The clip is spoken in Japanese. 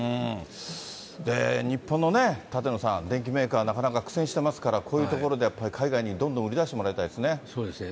日本のね、舘野さん、電機メーカー、なかなか苦戦してますから、こういうところでやっぱ海外にどんどん売り出してもらいたいですそうですね。